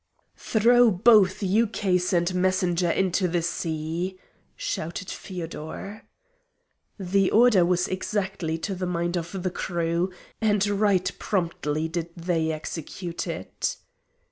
"Throw both ukase and messenger into the sea!" shouted Feodor. The order was exactly to the mind of the crew, and right promptly did they execute it.